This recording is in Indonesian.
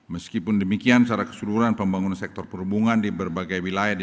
meskipun demikian secara keseluruhan pembangunan sektor perhubungan di berbagai wilayah